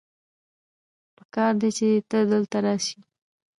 پکار دی چې ته دلته راسې